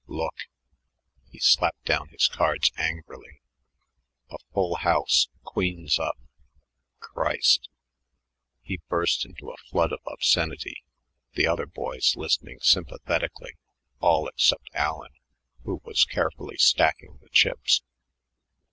Look!" He slapped down his cards angrily. "A full house, queens up. Christ!" He burst into a flood of obscenity, the other boys listening sympathetically, all except Allen who was carefully stacking the chips.